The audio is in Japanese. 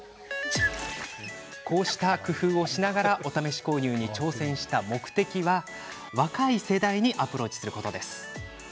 こうした工夫をしながらお試し購入に挑戦した目的は若い世代にアプローチすること。